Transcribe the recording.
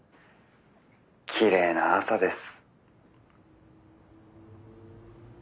きれいな朝です」。